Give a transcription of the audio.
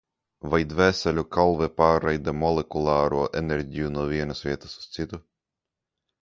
Vai dvēseļu kalve pārraida molekulāro enerģiju no vienas vietas uz citu?